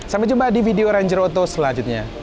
sampai jumpa di video ranger auto selanjutnya